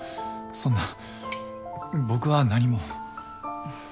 そんな僕は何も。